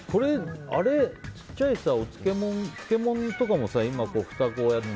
ちっちゃい漬物とかも今、ふたこうやって。